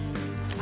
あ。